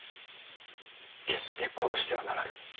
決して殺してはならぬ。